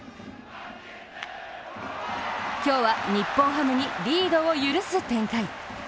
今日は日本ハムにリードを許す展開。